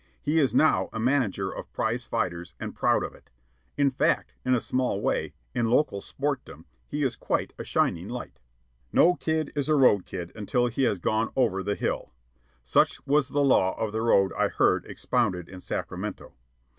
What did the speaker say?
He is now a manager of prize fighters and proud of it. In fact, in a small way, in local sportdom, he is quite a shining light. "No kid is a road kid until he has gone over 'the hill'" such was the law of The Road I heard expounded in Sacramento.